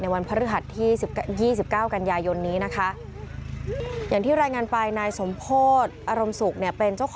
วันพฤหัสที่๒๙กันยายนนี้นะคะ